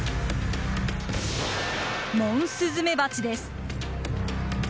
モンスズメバチです。